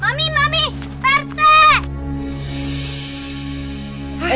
mami mami partai